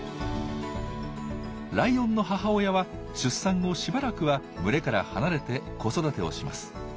ライオンの母親は出産後しばらくは群れから離れて子育てをします。